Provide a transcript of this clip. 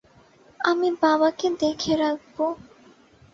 আমি বাবাকে দেখে রাখবো।